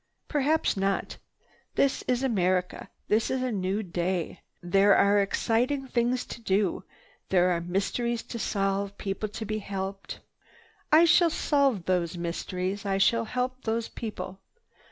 Perhaps not. This is America. This is a new day. There are exciting things to do. There are mysteries to solve, people to be helped. I shall solve those mysteries. I shall help those people.